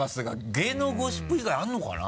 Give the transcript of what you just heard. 芸能ゴシップ以外あるのかな？